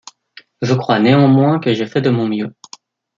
Je crois néanmoins que j’ai fait de mon mieux.